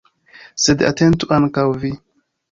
Sed atentu ankaŭ vi.